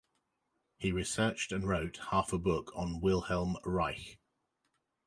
He researched and wrote half a book on Wilhelm Reich.